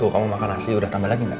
kamu makan nasi udah tambah lagi nggak